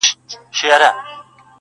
سم اتڼ یې اچولی موږکانو,